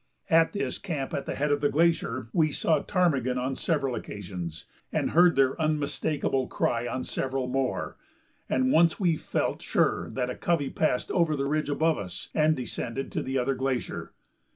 At this camp at the head of the glacier we saw ptarmigan on several occasions, and heard their unmistakable cry on several more, and once we felt sure that a covey passed over the ridge above us and descended to the other glacier.